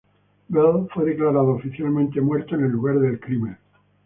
Bell fue declarado oficialmente muerto en el lugar del crimen.